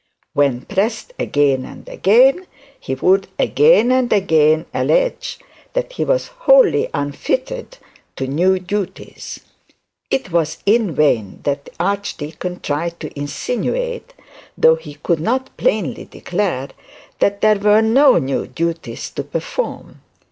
When pressed again and again, he would again and again allege that he was wholly unfitted to new duties. It was in vain that the archdeacon tried to insinuate, though he could not plainly declare, that there were no new duties to perform.